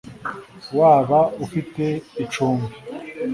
waba ufite icumbi